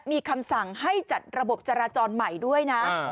มีคำสั่งให้จัดระบบจราจรใหม่ด้วยนะ